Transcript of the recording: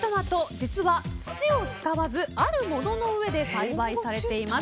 実は土を使わずあるものの上で栽培されています。